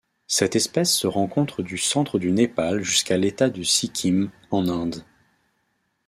Cette espèce se rencontre du centre du Népal jusqu'à l’État du Sikkim en Inde.